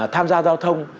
tham gia giao thông